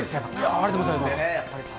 ありがとうございます。